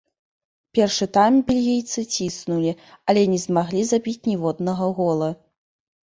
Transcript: Першы тайм бельгійцы ціснулі, але не змаглі забіць ніводнага гола.